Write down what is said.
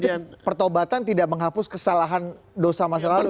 berarti pertobatan tidak menghapus kesalahan dosa masa lalu gitu